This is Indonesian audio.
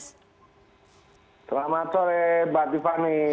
selamat sore mbak tiffany